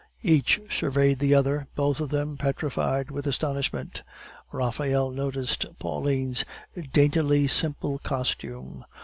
Each surveyed the other, both of them petrified with astonishment. Raphael noticed Pauline's daintily simple costume.